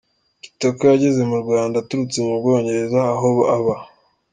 Kitoko yageze mu Rwanda aturutse mu Bwongereza aho aba.